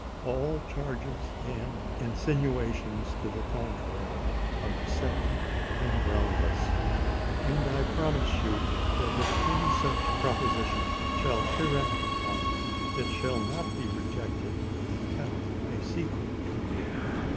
All charges and insinuations to the contrary are deceptive and groundless. And I promise you that if any such proposition shall hereafter come, it shall not be rejected and kept a secret from you.